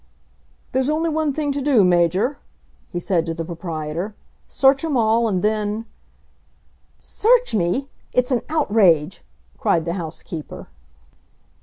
"There's only one thing to do, Major," he said to the proprietor. "Search 'em all and then " "Search me? It's an outrage!" cried the housekeeper.